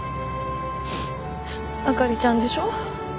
あかりちゃんでしょ。